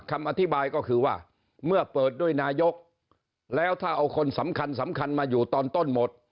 คำอธิบายก็คือว่าเมื่อเปิดด้วยนายกแล้วถ้าเอาคนสำคัญสำคัญมาอยู่ตอนต้นหมด